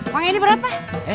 uang ini berapa